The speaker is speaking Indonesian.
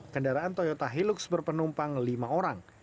kendaraan toyota hilux berpenumpang lima orang